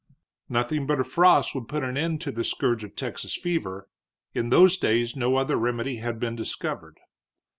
Nothing but a frost would put an end to the scourge of Texas fever; in those days no other remedy had been discovered.